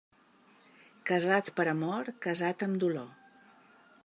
Casat per amor, casat amb dolor.